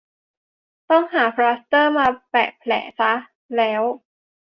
ต้องหาพลาสเตอร์มาแปะแผลซะแล้ว